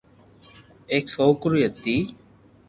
ايڪ سوڪرو ھتي